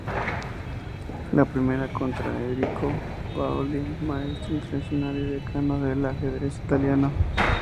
La primera, contra Enrico Paoli, Maestro Internacional y decano del Ajedrez italiano.